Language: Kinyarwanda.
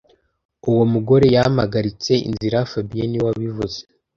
Uwo mugore yampagaritse inzira fabien niwe wabivuze